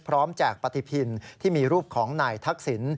แจกปฏิทินที่มีรูปของนายทักษิณ